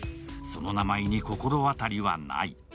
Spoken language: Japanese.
その名前に心当たりはない。